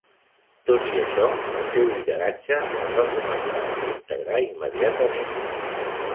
Tot i això, el seu lideratge es va començar a desintegrar immediatament.